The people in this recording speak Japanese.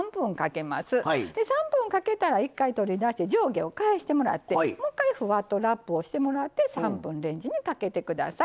３分かけたら一回取り出して上下を返してもらってもう一回ふわっとラップをしてもらって３分レンジにかけてください。